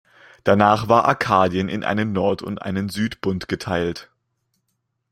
Danach war Arkadien in einen Nord- und einen Südbund geteilt.